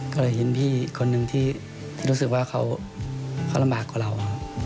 ก็เลยเห็นพี่คนหนึ่งที่รู้สึกว่าเขาลำบากกว่าเรา